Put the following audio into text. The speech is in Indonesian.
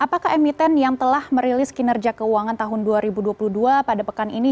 dan apakah emiten yang telah merilis kinerja keuangan tahun dua ribu dua puluh dua pada pekan ini